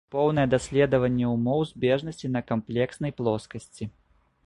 Поўнае даследаванне ўмоў збежнасці на камплекснай плоскасці.